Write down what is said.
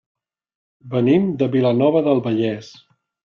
Venim de Vilanova del Vallès.